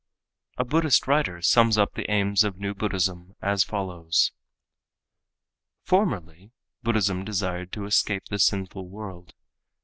A Buddhist writer sums up the aims of new Buddhism as follows: "Formerly Buddhism desired to escape the sinful world.